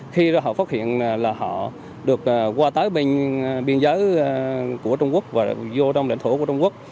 khi họ phát hiện là họ được qua tới bên biên giới của trung quốc và vô trong lãnh thổ của trung quốc